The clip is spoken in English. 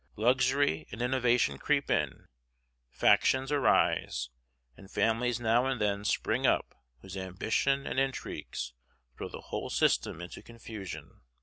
Luxury and innovation creep in, factions arise, and families now and then spring up whose ambition and intrigues throw the whole system into confusion.